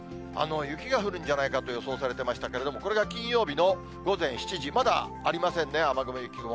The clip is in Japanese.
雪が降るんじゃないかと予想されてましたけど、これが金曜日の午前７時、まだありませんね、雨雲、雪雲。